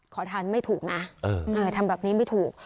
ขอทานไม่ถูกนะทำแบบนี้ไม่ถูก